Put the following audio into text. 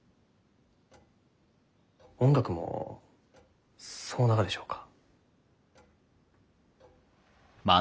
音楽もそうながでしょうか？